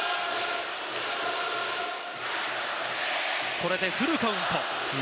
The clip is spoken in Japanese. これでフルカウント。